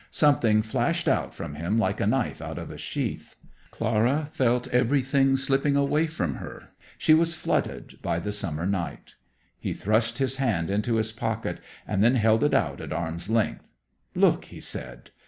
Something flashed out from him like a knife out of a sheath. Clara felt everything slipping away from her; she was flooded by the summer night. He thrust his hand into his pocket, and then held it out at arm's length. "Look," he said.